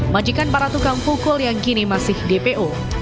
majikan para tukang pukul yang kini masih dpo